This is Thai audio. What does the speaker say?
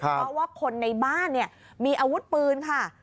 เพราะว่าคนในบ้านเนี่ยมีอาวุธปืนค่ะ